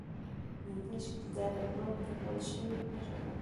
موندلی شي چې دا د بل تپل شوې خوښه ده.